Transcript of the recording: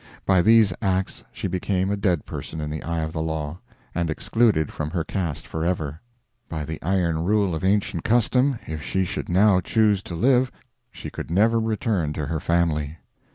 By these acts she became a dead person in the eye of the law, and excluded from her caste forever. By the iron rule of ancient custom, if she should now choose to live she could never return to her family.